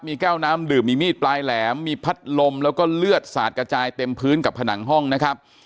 มีแก้วน้ำดื่มมีมีดปลายแหลมมีพัดลมแล้วก็เลือดสาดกระจายเต็มพื้นกับผนังห้องนะครับ